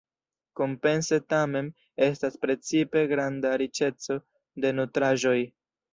Kompense tamen estas precipe granda riĉeco de nutraĵoj.